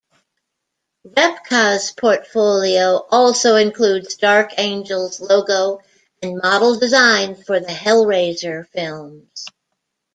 Repka's portfolio also includes Dark Angel's logo and model designs for the "Hellraiser" films.